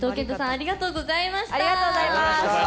ありがとうございます。